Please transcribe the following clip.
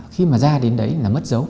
khi mà ra đến đấy là mất dấu